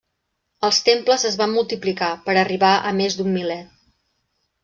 Els temples es van multiplicar, per arribar a més d'un miler.